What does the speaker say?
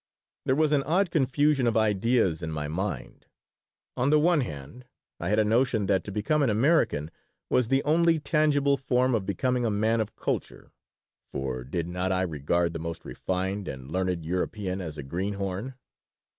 There was an odd confusion of ideas in my mind. On the one hand, I had a notion that to "become an American" was the only tangible form of becoming a man of culture (for did not I regard the most refined and learned European as a "greenhorn"?)